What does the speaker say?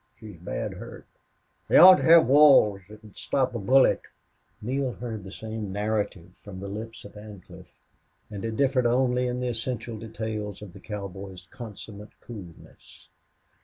She's bad hurt.... They ought to have walls thet'd stop a bullet." Neale heard the same narrative from the lips of Ancliffe, and it differed only in the essential details of the cowboy's consummate coolness.